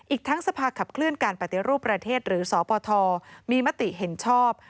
อีกทั้งสภาขับเคลื่อนการปฏิรูปประเทศหรือสปทมีมติเห็นชอบ